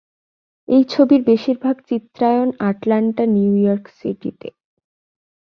এই ছবির বেশিরভাগ চিত্রায়ন আটলান্টা, নিউ ইয়র্ক সিটিতে।